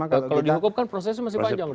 kalau dihukum kan prosesnya masih panjang